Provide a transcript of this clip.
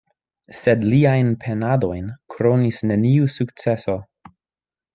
Sed liajn penadojn kronis neniu sukceso.